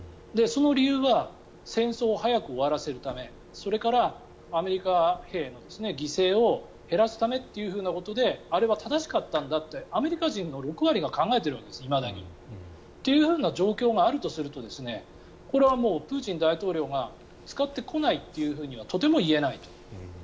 その理由は戦争を早く終わらせるためそれから、アメリカ兵の犠牲を減らすためということであれは正しかったんだとアメリカ人の６割がいまだに考えているわけです。という状況があるとするとこれはプーチン大統領が使ってこないとはとても言えないと。